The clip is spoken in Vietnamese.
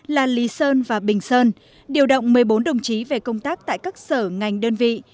là lý sơn và bình sơn điều động một mươi bốn đồng chí về công tác tại các sở ngành đơn vị